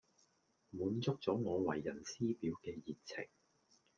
滿足咗我為人師表嘅熱情